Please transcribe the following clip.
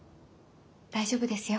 大丈夫ですよ。